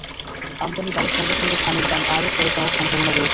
আমদানি বাড়ার সঙ্গে সঙ্গে ধানের দাম আরও পড়ে যাওয়ার সম্ভাবনা রয়েছে।